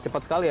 cepat sekali ya